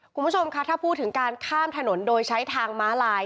คุณผู้ชมคะถ้าพูดถึงการข้ามถนนโดยใช้ทางม้าลาย